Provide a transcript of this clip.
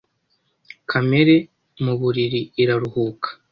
Kamere mu buriri iraruhuka